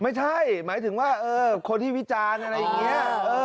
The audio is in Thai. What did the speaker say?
ไม่ใช่หมายถึงว่าคนที่วิจารณ์อะไรอย่างนี้